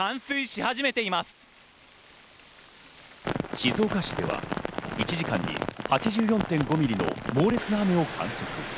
静岡市では１時間に８４．５ミリの猛烈な雨を観測。